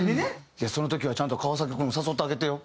じゃあその時はちゃんと川崎君誘ってあげてよ。